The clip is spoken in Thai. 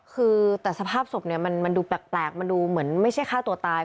คือแต่สภาพศพเนี่ยมันดูแปลกมันดูเหมือนไม่ใช่ฆ่าตัวตาย